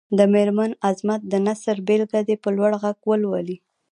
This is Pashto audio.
د مېرمن عظمت د نثر بېلګه دې په لوړ غږ ولولي.